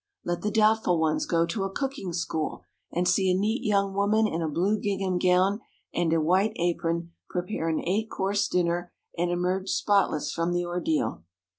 Let the doubtful ones go to a cooking school, and see a neat young woman, in a blue gingham gown and a white apron, prepare an eight course dinner and emerge spotless from the ordeal.